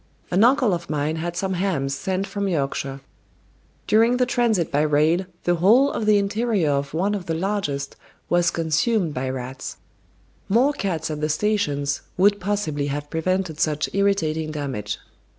An uncle of mine had some hams sent from Yorkshire; during the transit by rail the whole of the interior of one of the largest was consumed by rats. More cats at the stations would possibly have prevented such irritating damage.